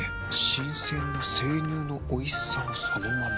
新鮮な生乳のおいしさをそのまま。